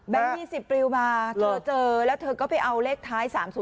แบงค์ยี่สิบปลิวมาเธอเจอแล้วเธอก็ไปเอาเลขท้าย๓๐๓